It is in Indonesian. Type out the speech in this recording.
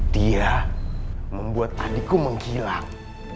dia membuat adikku menghilang